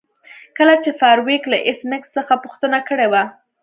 کله چې فارویک له ایس میکس څخه پوښتنه کړې وه